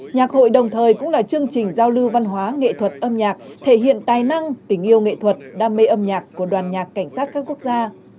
nhạc hội đồng thời cũng là chương trình giao lưu văn hóa nghệ thuật âm nhạc thể hiện tài năng tình yêu nghệ thuật đam mê âm nhạc của đoàn nhạc cảnh sát các quốc gia